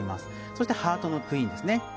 そしてハートのクイーンですね。